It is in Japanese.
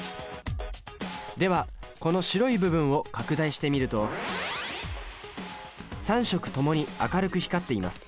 ではこの白い部分を拡大してみると３色ともに明るく光っています。